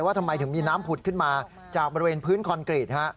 ทำไมถึงมีน้ำผุดขึ้นมาจากบริเวณพื้นคอนกรีต